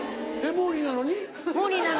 モーリーなのに。